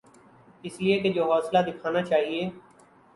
اس لئے کہ جو حوصلہ دکھانا چاہیے۔